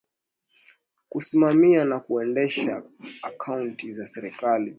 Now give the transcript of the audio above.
kusimamia na kuendesha akaunti za serikali